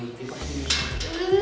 ini mah isi gue